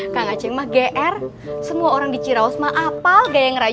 kang aceh mah gr semua orang di ciraus mah apal gayanya kang aceh